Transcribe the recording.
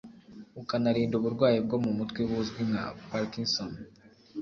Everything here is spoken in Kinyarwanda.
ukanarinda uburwayi bwo mu mutwe buzwi nka Parkinson